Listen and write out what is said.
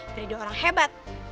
beri dia orang hebat